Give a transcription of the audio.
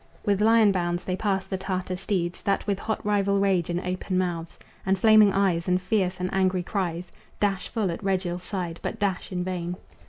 With lion bounds they pass the Tartar steeds, That with hot rival rage and open mouths, And flaming eyes, and fierce and angry cries, Dash full at Regil's side, but dash in vain.